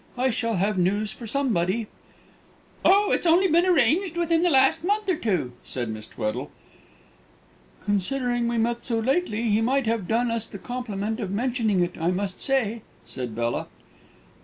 I shall have news for somebody!" "Oh, but it's only been arranged within the last month or two!" said Miss Tweddle. "Considering we met so lately, he might have done us the compliment of mentioning it, I must say!" said Bella.